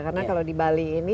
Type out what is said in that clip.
karena kalau di bali ini